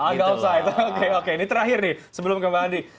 oh nggak off site oke oke ini terakhir nih sebelum ke mbak andi